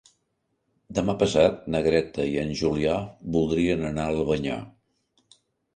Demà passat na Greta i en Julià voldrien anar a Albanyà.